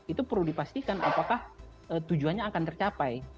itu perlu dipastikan apakah tujuannya akan tercapai